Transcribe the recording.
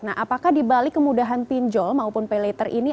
nah apakah di balik kemudahan pinjol maupun paylater ini